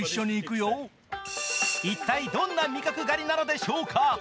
一体どんな味覚狩りなんでしょうか。